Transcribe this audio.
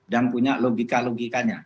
dan punya logika logikanya